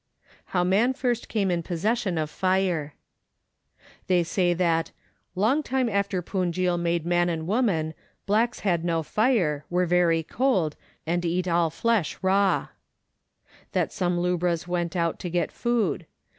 How Man first came in possession of Fire. They say that " long time after Punjil made man and woman, blacks had no fire, were very cold, and eat all flesh raw"; that some lubras went out to get food.